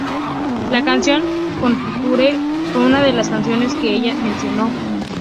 La canción con Future, fue una de las canciones que ella mencionó.